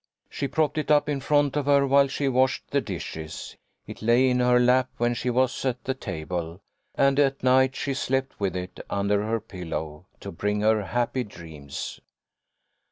She propped it up in front of her while she washed the dishes. It lay in her lap when she was at the table, and at night she slept with it under her pillow to bring her happy dreams.